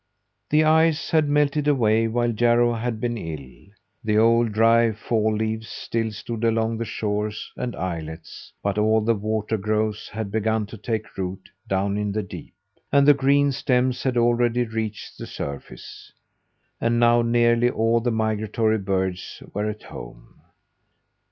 The ice had melted away while Jarro had been ill. The old, dry fall leaves still stood along the shores and islets, but all the water growths had begun to take root down in the deep; and the green stems had already reached the surface. And now nearly all the migratory birds were at home.